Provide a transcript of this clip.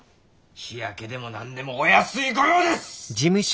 日焼けでも何でもお安い御用です！